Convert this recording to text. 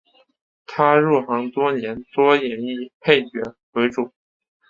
他入行多年多演绎配角为主。